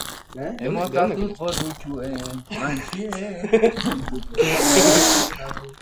Igarotzen den egun bakoitzeko, dagokion lanaldian kotizatu gabe geratu den eguna da.